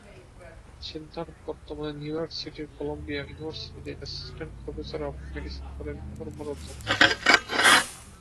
সিদ্ধার্থ বর্তমানে New York সিটির Columbia ইউনিভার্সিটিতে 'অ্যাসিস্ট্যান্ট প্রফেসর অফ মেডিসিন' পদে কর্মরত।